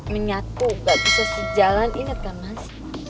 menyatu nggak bisa sejalan inget kan mas